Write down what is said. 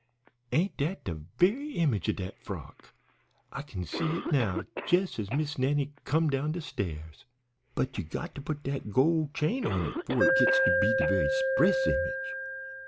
ain't dat de ve'y image of dat frock? I kin see it now jes' as Miss Nannie come down de stairs. But you got to put dat gold chain on it 'fore it gits to be de ve'y 'spress image.